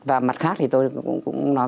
và mặt khác thì tôi cũng nói